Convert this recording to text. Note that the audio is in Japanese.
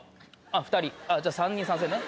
あっ２人じゃあ３人賛成ね。